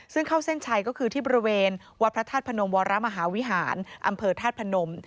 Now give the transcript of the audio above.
ซึ่งเข้าเส้นชัยก็คือที่บริเวณวัดพระธาตุพนมวรมหาวิหารอำเภอธาตุพนม